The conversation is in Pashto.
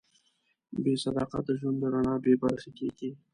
بېصداقته ژوند له رڼا بېبرخې کېږي.